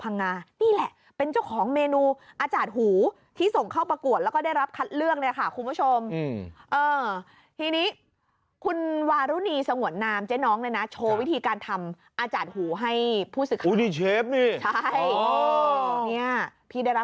นี่อะไรกระเทียมเหรอมีกระเทียมมีปลา